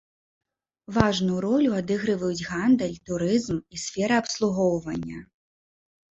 Важную ролю адыгрываюць гандаль, турызм і сфера абслугоўвання.